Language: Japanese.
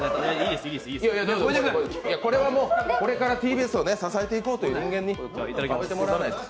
小出君、これからＴＢＳを支えていこうという人間に食べてもらわないと。